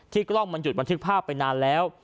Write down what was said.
กล้องมันหยุดบันทึกภาพไปนานแล้ว